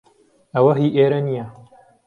ئەوە هی ئێرە نییە.